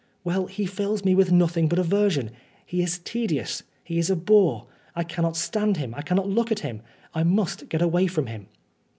Well, he fills me with nothing but aversion. He is tedious. He is a bore. I cannot stand him. I cannot look at him. I must get away from him."